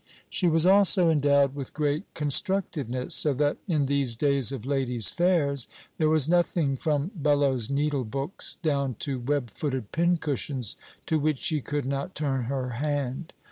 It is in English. She was also endowed with great constructiveness; so that, in these days of ladies' fairs, there was nothing from bellows needlebooks down to web footed pincushions to which she could not turn her hand.